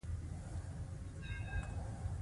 موبایل سترګو ته زیان رسوي